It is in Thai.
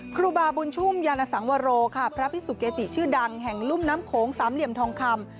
ครูบาบุญชุ่มยานสังวโรค่ะพระพิสุเกจิชื่อดังแห่งลุ่มน้ำโขงสามเหลี่ยมทองคำ